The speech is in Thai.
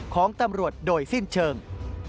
ของตำรวจโดยสิ้นเชิง